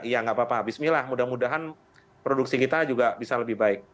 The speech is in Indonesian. ya nggak apa apa bismillah mudah mudahan produksi kita juga bisa lebih baik